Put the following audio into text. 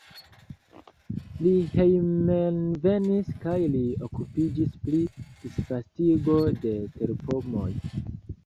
Li hejmenvenis kaj li okupiĝis pri disvastigo de terpomoj.